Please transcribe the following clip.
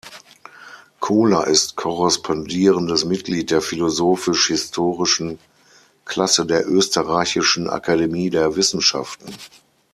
Kohler ist korrespondierendes Mitglied der philosophisch-historischen Klasse der Österreichischen Akademie der Wissenschaften.